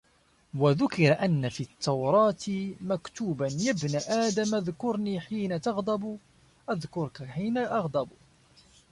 وَذُكِرَ أَنَّ فِي التَّوْرَاةِ مَكْتُوبًا يَا ابْنَ آدَمَ اُذْكُرْنِي حِينَ تَغْضَبُ أَذْكُرُك حِينَ أَغْضَبُ